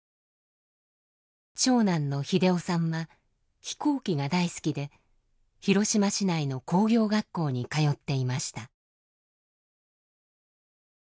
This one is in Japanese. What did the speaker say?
長男の秀雄さんは飛行機が大好きで広島市内の工業学校に通っていました。